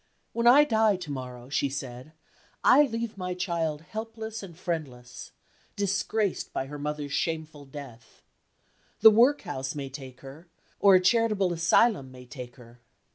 "When I die to morrow," she said, "I leave my child helpless and friendless disgraced by her mother's shameful death. The workhouse may take her or a charitable asylum may take her."